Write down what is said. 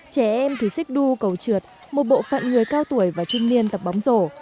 trẻ em thì xích đu cầu trượt một bộ phận người cao tuổi và trung niên tập bóng rổ